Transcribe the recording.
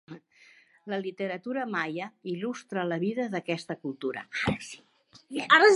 La literatura maia il·lustra la vida d'aquesta cultura.